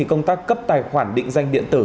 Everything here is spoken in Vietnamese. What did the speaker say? công tác cấp tài khoản định danh điện tử